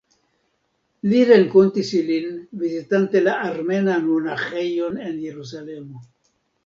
Li renkontis ilin vizitante la armenan monaĥejon en Jerusalemo.